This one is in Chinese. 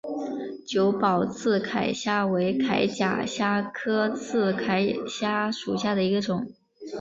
久保刺铠虾为铠甲虾科刺铠虾属下的一个种。